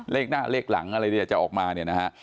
เลขหน้าเลขหลังจะออกมาเนี่ยนะฮะ